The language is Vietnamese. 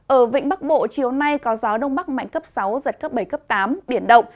ở vịnh bắc bộ chiều nay có gió đông bắc mạnh cấp sáu giật cấp bảy cấp tám biển động